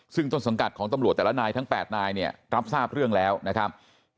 ซึ่งต้นสังกัดของตำรวจแต่ละนายทั้ง๘นายเนี่ยรับทราบเรื่องแล้วนะครับ